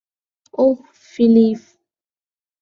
ওহ, Philip.